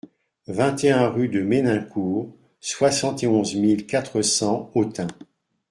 vingt et un rue de Ménincourt, soixante et onze mille quatre cents Autun